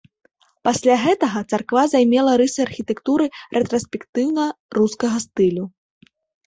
Пасля гэтага царква займела рысы архітэктуры рэтраспектыўна-рускага стылю.